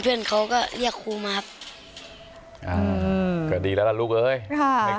เพื่อนเขาก็เรียกครูมาครับอ่าก็ดีแล้วล่ะลูกเอ้ยค่ะ